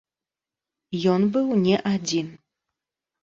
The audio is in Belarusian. Ён быў не адзін.